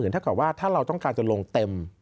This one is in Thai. ถามว่า๑๕๐๐๐๐๐บาทถ้าเราต้องการจะลงเต็ม